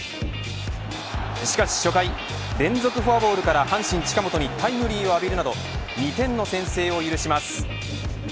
しかし初回連続フォアボールから阪神、近本にタイムリーを浴びるなど２点の先制を許します。